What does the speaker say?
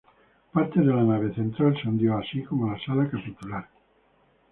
Parte de la nave central se hundió así como la sala capitular.